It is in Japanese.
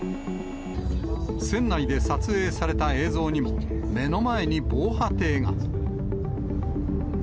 船内で撮影された映像にも目の前に防波堤が。